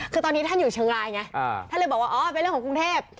คือตอนนี้ท่านอยู่เชียงรายไงท่านเลยบอกว่าอ๋อเป็นเรื่องของกรุงเทพ